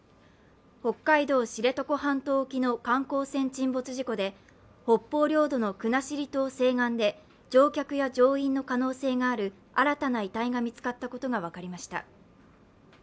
北海道・知床半島沖の観光船沈没事故で北方領土の国後島西岸で乗客や乗員の可能性のある新たな遺体が見つかったことが分かりました。